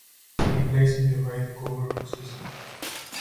He plays in the Right Cover position.